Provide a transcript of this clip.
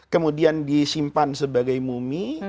kemudian disimpan sebagai mumi